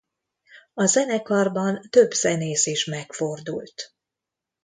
A zenekarban több zenész is megfordult.